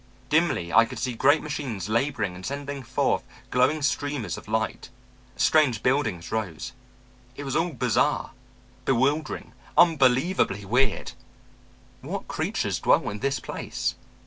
"Dimly I could see great machines laboring and sending forth glowing streamers of light. Strange buildings rose. It was all bizarre, bewildering, unbelievably weird. What creatures dwelt in this place?